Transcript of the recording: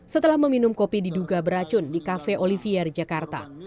setelah meminum kopi diduga beracun di cafe olivier jakarta